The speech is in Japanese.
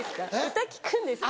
歌聴くんですか？